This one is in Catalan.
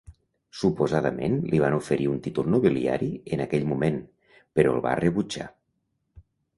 Suposadament, li van oferir un títol nobiliari en aquell moment, però el va rebutjar.